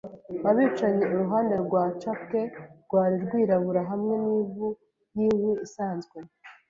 abicanyi. ” Uruhande rwacapwe rwari rwirabura hamwe nivu yinkwi, isanzwe